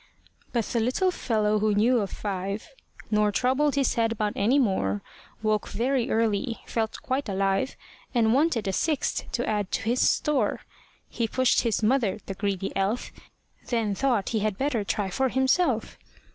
But the little fellow who knew of five Nor troubled his head about any more, Woke very early, felt quite alive, And wanted a sixth to add to his store: He pushed his mother, the greedy elf, Then thought he had better try for himself.